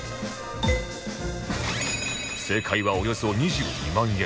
正解はおよそ２２万円